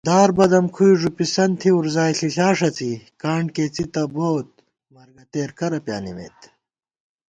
دار بدَمکُھوئی ݫُپِسَن تھی وُرزائےݪِݪا ݭڅی * کانڈ کېڅی تہ بوت مرگَتېرکرہ پیانِمېت